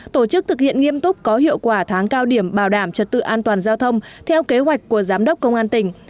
tổ chức thực hiện nghiêm túc có hiệu quả tháng cao điểm bảo đảm trật tự an toàn giao thông theo kế hoạch của giám đốc công an tỉnh